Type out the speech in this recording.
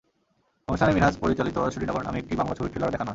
অনুষ্ঠানে মিনহাজ পরিচালিত সুরিনগর নামে একটি বাংলা ছবির ট্রেলারও দেখানো হয়।